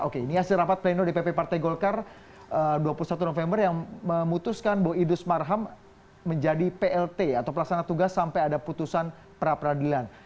oke ini hasil rapat pleno dpp partai golkar dua puluh satu november yang memutuskan bahwa idrus marham menjadi plt atau pelaksana tugas sampai ada putusan pra peradilan